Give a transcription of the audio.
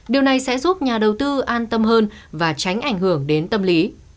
điều này sẽ giúp nhà đầu tư an tâm hơn và tránh ảnh hưởng đến tâm lý